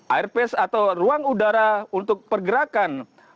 airpace atau ruang udara untuk pergerakan